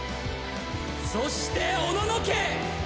そしておののけ！